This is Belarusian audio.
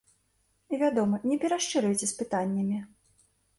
І, вядома, не перашчыруйце з пытаннямі.